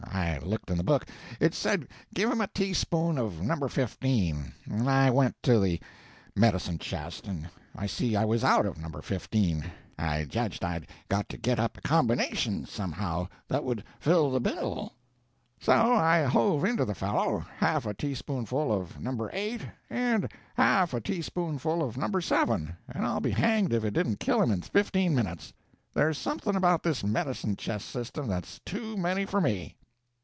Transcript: I looked in the book: it said give him a teaspoonful of No. 15. I went to the medicine chest, and I see I was out of No. 15. I judged I'd got to get up a combination somehow that would fill the bill; so I hove into the fellow half a teaspoonful of No. 8 and half a teaspoonful of No. 7, and I'll be hanged if it didn't kill him in fifteen minutes! There's something about this medicine chest system that's too many for me!"